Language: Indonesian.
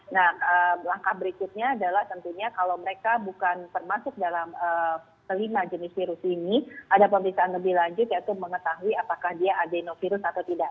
nah langkah berikutnya adalah tentunya kalau mereka bukan termasuk dalam kelima jenis virus ini ada pemeriksaan lebih lanjut yaitu mengetahui apakah dia adenovirus atau tidak